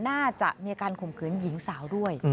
น่าจะมีการข่มขืนหญิงสาวด้วย